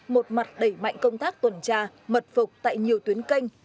một mặt đẩy mạnh công tác tuần tra mật phục tại nhiều tuyến canh